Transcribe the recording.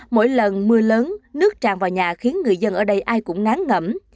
mỗi lần mưa lớn nước tràn vào nhà khiến người dân ở đây ai cũng ngán ngẩm